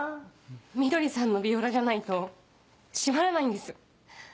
みどりさんのヴィオラじゃないと締まらないんです。